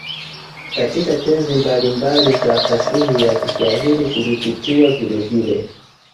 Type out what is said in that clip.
katika tenzi mbalimbali za fasihi ya Kiswahili zilipitiwa vilevile